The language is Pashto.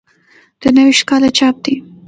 د نهه ویشت کال چاپ دی.